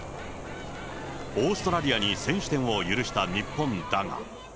オーストラリアに先取点を許した日本だが。